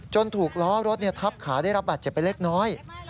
ถูกล้อรถทับขาได้รับบาดเจ็บไปเล็กน้อย